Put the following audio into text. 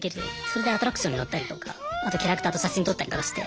それでアトラクションに乗ったりとかあとキャラクターと写真撮ったりとかして。